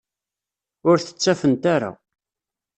Ur t-ttafent ara.